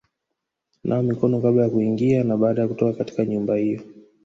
Nawa mikono kabla ya kuingia na baada ya kutoka katika nyumba hiyo;